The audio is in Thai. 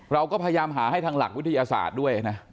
เราก็พยายามหาให้ทางหลักวิทยาศาสตร์ด้วยนะ